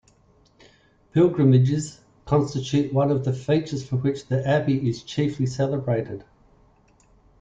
Pilgrimages constitute one of the features for which the abbey is chiefly celebrated.